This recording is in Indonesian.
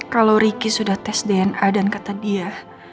kalau ricky sudah tes dna dan kata dia